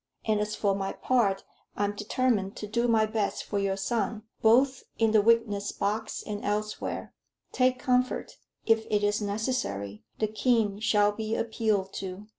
And for my part, I am determined to do my best for your son, both in the witness box and elsewhere. Take comfort; if it is necessary, the king shall be appealed to.